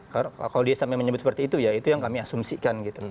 kalau dia sampai menyebut seperti itu ya itu yang kami asumsikan gitu